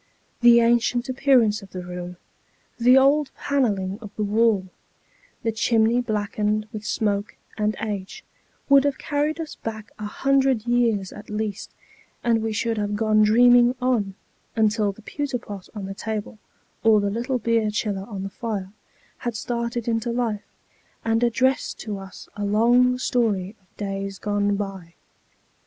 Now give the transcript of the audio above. The ancient appearance of the room the old panelling of the wall the chimney blackened with smoke and age would have carried us back a hundred years at least, and we should have gone dreaming on, until the pewter pot on the table, or the little beer chiller on the fire, had started into life, and addressed to us a long story of days gone by.